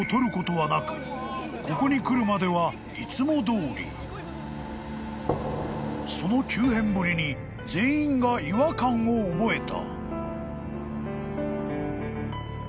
［ここに来るまではいつもどおり］［その急変ぶりに全員が違和感を覚えた］